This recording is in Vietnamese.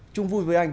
chúng vui với anh